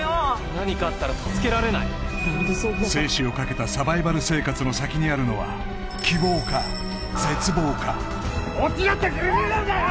何かあったら助けられない生死をかけたサバイバル生活の先にあるのは希望か絶望かこっちだってギリギリなんだよ！